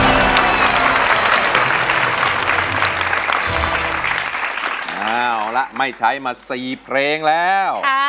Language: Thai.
เอาละไม่ใช้มา๔เพลงแล้ว